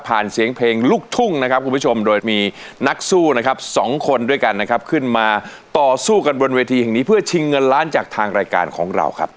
เสียงเพลงลูกทุ่งนะครับคุณผู้ชมโดยมีนักสู้นะครับสองคนด้วยกันนะครับขึ้นมาต่อสู้กันบนเวทีแห่งนี้เพื่อชิงเงินล้านจากทางรายการของเราครับ